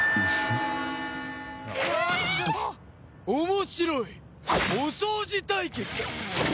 面白い！お掃除対決だ。